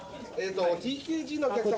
ＴＫＧのお客様。